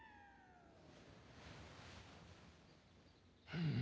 うん。